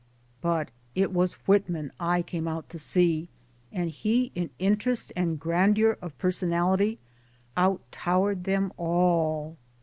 But it was Whitman I came out to see, and he in interest and grandeur of personality out towered them all.